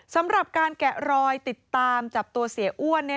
สำหรับการแกะรอยติดตามจับตัวเสียอ้วน